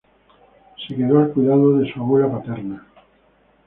Se quedó al cuidado de su abuela paterna.